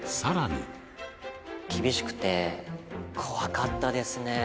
厳しくて、怖かったですね。